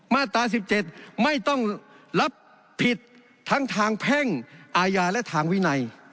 มาตรา๑๗ไม่ต้องรับผิดทั้งทางแพ่งอาญาและทางวินัย